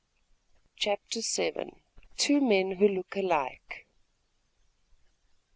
CHAPTER VII. TWO MEN WHO LOOK ALIKE.